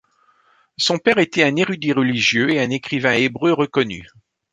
Son père était un érudit religieux et un écrivain hébreu reconnu.